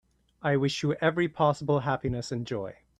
I wish you every possible happiness and joy.